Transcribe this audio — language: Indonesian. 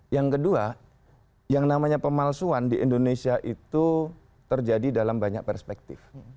yang kedua yang namanya pemalsuan di indonesia itu terjadi dalam banyak perspektif